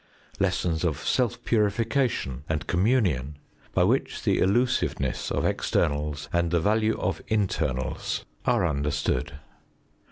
Lessons of self purification and communion, by which the illusiveness of externals and the value of internals are understood.